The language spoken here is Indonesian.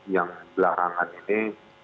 yang belahan ini